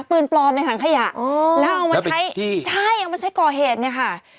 ปืนปลอมในถังขยะแล้วเอามาใช้ใช่เอามาใช้ก่อเหตุเนี่ยค่ะ